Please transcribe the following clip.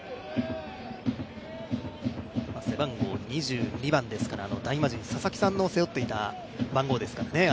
背番号２２番ですから大魔神・佐々木さんの背負っていた番号ですからね。